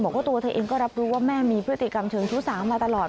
บอกว่าตัวเธอเองก็รับรู้ว่าแม่มีพฤติกรรมเชิงชู้สาวมาตลอด